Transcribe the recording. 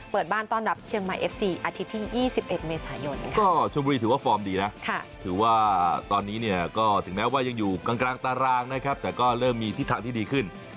เปิดบ้านต้อนรับเชียงใหม่เอฟซีอาทิตย์ที่๒๑เมษายนก็ชมบุรีถือว่าฟอร์มดีนะถือว่าตอนนี้เนี่ยก็ถึงแม้ว่ายังอยู่กลางตารางนะครับแต่ก็เริ่มมีทิศทางที่ดีขึ้น